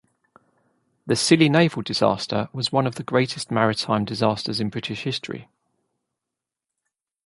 The Scilly naval disaster was one of the greatest maritime disasters in British history.